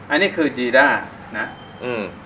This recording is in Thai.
อันนี้คือจีรานะ